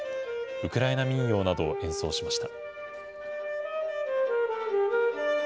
ウクライナ民謡などを演奏しました。